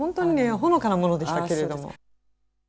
ほのかなものでしたけれども。